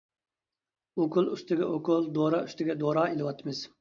ئوكۇل ئۈستىگە ئوكۇل، دورا ئۈستىگە دورا ئېلىۋاتىمىز.